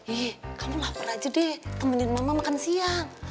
eh kamu lapar aja deh temenin mama makan siang